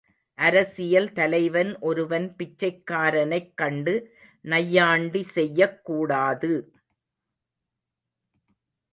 அரசியல் தலைவன் ஒருவன் பிச்சைக்காரனைக் கண்டு நையாண்டி செய்யக்கூடாது!